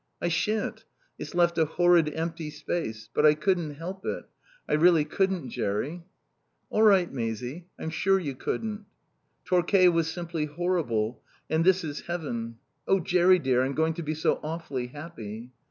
"I shan't. It's left a horrid empty space. But I couldn't help it. I really couldn't, Jerry." "All right, Maisie, I'm sure you couldn't." "Torquay was simply horrible. And this is heaven. Oh, Jerry dear, I'm going to be so awfully happy."